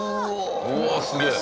うわすげえ！